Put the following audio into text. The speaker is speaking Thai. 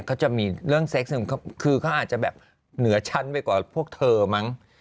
เขาจะมีเรื่องเซ็กหนึ่งคือเขาอาจจะแบบเหนือชั้นไปกว่าพวกเธอมั้ง